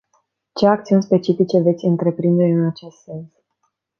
Ce acțiuni specifice veți întreprinde în acest sens?